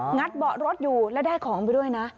ัดเบาะรถอยู่แล้วได้ของไปด้วยนะ